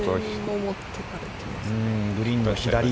グリーンの左。